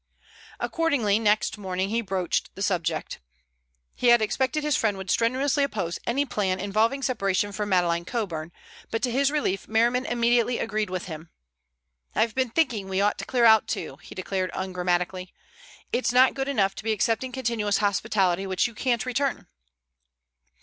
Accordingly next morning he broached the subject. He had expected his friend would strenuously oppose any plan involving separation from Madeleine Coburn, but to his relief Merriman immediately agreed with him. "I've been thinking we ought to clear out too," he declared ungrammatically. "It's not good enough to be accepting continuous hospitality which you can't return."